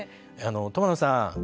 苫野さん